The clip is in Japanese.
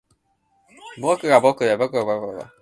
僕が僕であることは誰も知らない